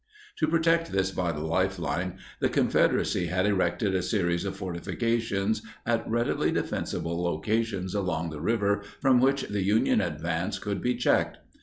To protect this vital lifeline, the Confederacy had erected a series of fortifications at readily defensible locations along the river from which the Union advance could be checked.